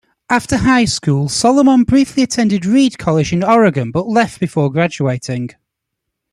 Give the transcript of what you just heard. After high school, Solomon briefly attended Reed College in Oregon but left before graduating.